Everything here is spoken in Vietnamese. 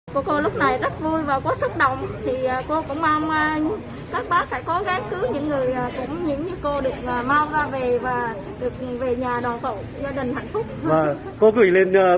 cô cô lúc này rất vui và có sức động thì cô cũng mong các bác hãy cố gắng cứu những người cũng như cô được mau ra về và được về nhà đón cậu gia đình hạnh phúc